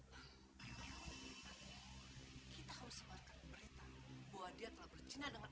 nah kalau beritanya kita harus sebarkan berita bahwa dia telah bergina dengan iparnya